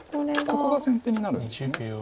ここが先手になるんです。